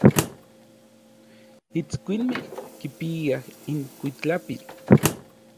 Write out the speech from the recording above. Itskuinmej kipiaj inkuitlapil.